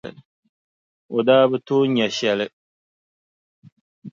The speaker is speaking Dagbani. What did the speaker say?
O daa bi tooi nya shɛli.